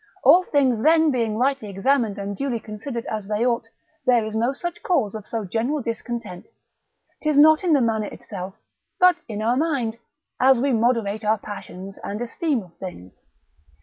All things then being rightly examined and duly considered as they ought, there is no such cause of so general discontent, 'tis not in the matter itself, but in our mind, as we moderate our passions and esteem of things.